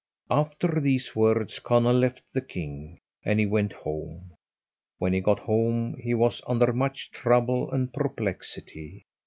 After these words Conall left the king, and he went home: when he got home he was under much trouble and perplexity.